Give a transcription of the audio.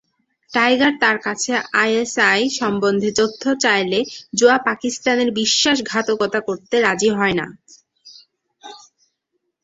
Tiger তার কাছে ISI সম্বন্ধে তথ্য চাইলে জোয়া পাকিস্তানের বিশ্বাসঘাতকতা করতে রাজি হয়না।